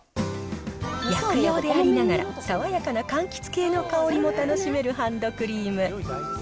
薬用でありながら、爽やかなかんきつ系の香りも楽しめるハンドクリーム。